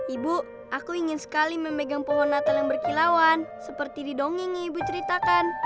ibu aku ingin sekali memegang pohon natal yang berkilauan seperti di dongeng yang ibu ceritakan